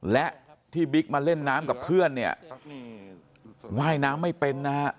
และที่บิ๊กมาเล่นน้ำกับเพื่อนเนี่ยว่ายน้ำไม่เป็นนะฮะ